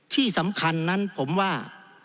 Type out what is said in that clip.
ที่สำคัญนั้นผมว่า